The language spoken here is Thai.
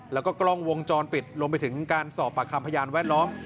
แล้วก็กล้องวงจรปิดรวมไปถึงการสอบปากคำพยานแวดล้อม